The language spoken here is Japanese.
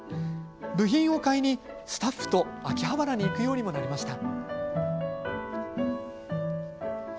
部品を買いに、スタッフと秋葉原に行くようにもなりました。